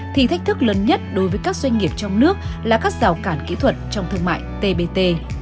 thì thách thức lớn nhất đối với các doanh nghiệp trong nước là các rào cản kỹ thuật trong thương mại tbt